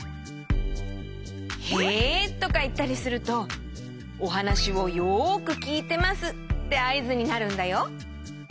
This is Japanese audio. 「へ」とかいったりするとおはなしをよくきいてますってあいずになるんだよ。